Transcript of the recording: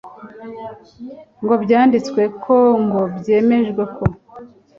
ngo byanditwe ko ngo byemejwe ko